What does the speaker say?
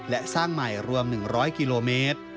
และสร้างใหม่ร่วม๑๐๐กม